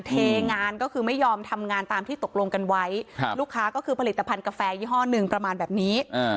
เทงานก็คือไม่ยอมทำงานตามที่ตกลงกันไว้ลูกค้าก็คือผลิตภัณฑ์กาแฟยี่ห้อหนึ่งประมาณแบบนี้